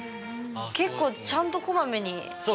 結構ちゃんとこまめに。